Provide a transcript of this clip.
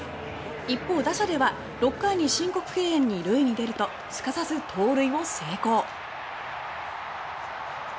一方、打者では６回に申告敬遠に塁に出るとすかさず盗塁を成功。